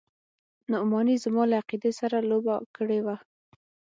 نعماني زما له عقيدې سره لوبه کړې وه.